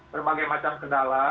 berbagai macam kendala